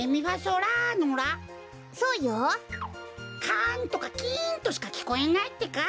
カンとかキンとしかきこえないってか。